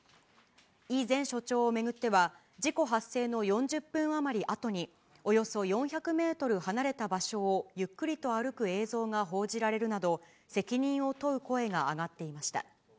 イ前署長を巡っては、事故発生の４０分余りあとに、およそ４００メートル離れた場所をゆっくりと歩く映像が報じられるなど、責任を問う声が上がっていました。